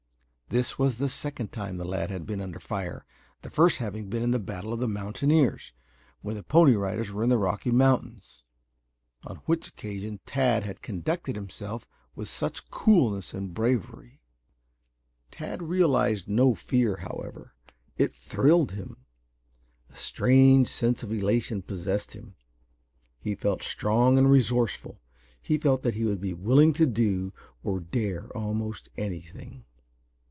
This was the second time the lad had been under fire, the first having been in the battle of the mountaineers, when the Pony Riders were in the Rocky Mountains, on which occasion Tad had conducted himself with such coolness and bravery. Tad realized no fear, however. It thrilled him. A strange sense of elation possessed him. He felt strong and resourceful he felt that he would be willing to do or dare almost anything.